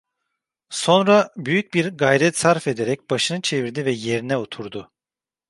Sonra büyük bir gayret sarf ederek başını çevirdi ve yerine oturdu.